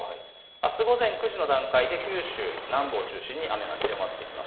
あす午前９時の段階で九州南部を中心に雨が強まっています。